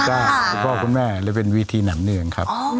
คุณพ่อคุณแม่เลยเป็นวีทีหนังเนืองครับ